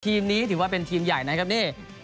ทีมนี้ถือว่าเป็นทีมใหญ่นะครับนี่